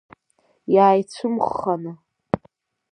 Иааицәымӷханы.